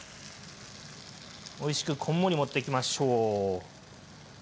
おいしくこんもり盛っていきましょう。